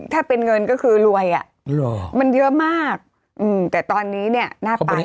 ถ้าเป็นเงินก็คือรวยอ่ะมันเยอะมากแต่ตอนนี้เนี่ยน่าไป